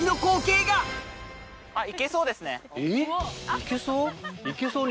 行けそう？